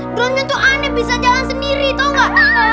drone itu aneh bisa jalan sendiri tau gak